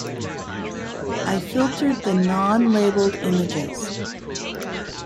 I filtered the non labelled images.